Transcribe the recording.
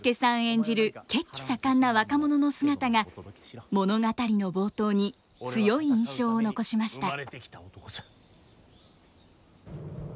演じる血気盛んな若者の姿が物語の冒頭に強い印象を残しました。